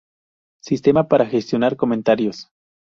Sistema para gestionar comentarios.